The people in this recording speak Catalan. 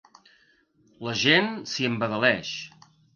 La gent s'hi embadaleix.